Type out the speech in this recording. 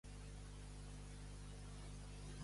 Què designa, de manera popular?